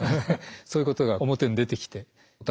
そういうことが表に出てきて